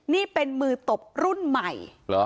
นี่เป็นมือตบรุ่นใหม่